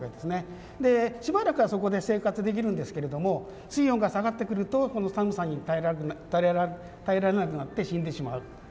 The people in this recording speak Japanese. しばらくはそこで生活できるんですけれども水温が下がってくるとその寒さに耐えられなくなって死んでしまう。